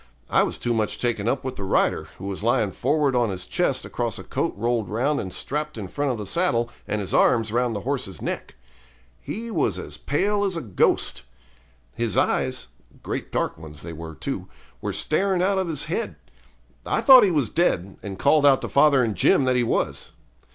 I was too much taken up with the rider, who was lying forward on his chest across a coat rolled round and strapped in front of the saddle, and his arms round the horse's neck. He was as pale as a ghost. His eyes great dark ones they were, too were staring out of his head. I thought he was dead, and called out to father and Jim that he was.